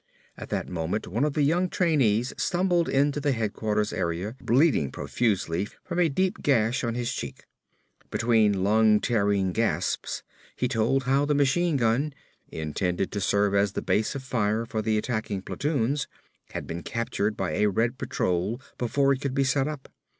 At that moment one of the young trainees stumbled into the headquarters area bleeding profusely from a deep gash on his cheek. Between lung tearing gasps he told how the machine gun, intended to serve as the base of fire for the attacking platoons, had been captured by a Red patrol before it could be set up.